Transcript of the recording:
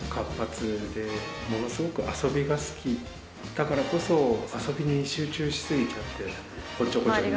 だからこそ遊びに集中しすぎちゃっておっちょこちょい